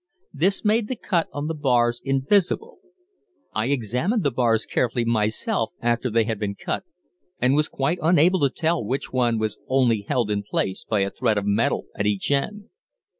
This made the cut on the bars invisible. I examined the bars carefully myself after they had been cut, and was quite unable to tell which one was only held in place by a thread of metal at each end.